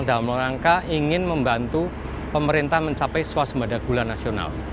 dalam rangka ingin membantu pemerintah mencapai swasembada gula nasional